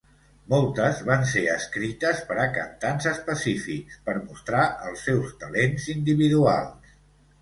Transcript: Moltes van ser escrites per a cantants específics per mostrar els seus talents individuals.